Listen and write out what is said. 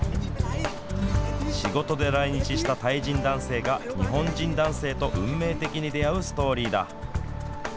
仕事で来日したタイ人男性が日本人男性と運命的に出会うストーリーだ。